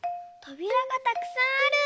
とびらがたくさんある。